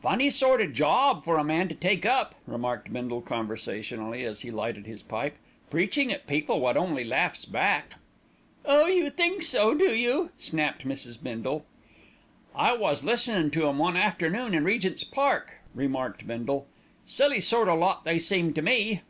"Funny sort of job for a man to take up," remarked Bindle conversationally, as he lighted his pipe, "preaching at people wot only laughs back." "Oh! you think so, do you!" snapped Mrs. Bindle. "I was listenin' to 'em one afternoon in Regent's Park," remarked Bindle. "Silly sort o' lot they seemed to me."